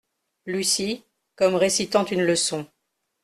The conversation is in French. Lucie, comme récitant une leçon.